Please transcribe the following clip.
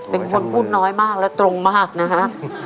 เป็นคนพูดน้อยมากและตรงมากนะฮะ